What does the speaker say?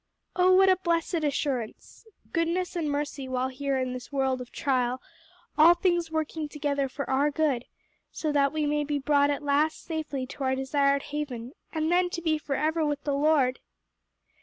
Oh what a blessed assurance! goodness and mercy while here in this world of trial all things working together for our good, that so we may be brought at last safely to our desired haven and then to be forever with the Lord!"